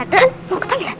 kan mau ketemu dia